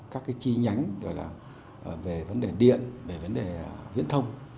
các cái chi nhánh về vấn đề điện về vấn đề viễn thông